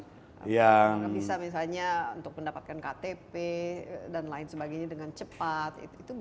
kalau bisa misalnya untuk mendapatkan ktp dan lain sebagainya dengan cepat